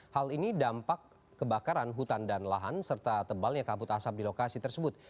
hal ini dampak kebakaran hutan dan lahan serta tebalnya kabut asap di lokasi tersebut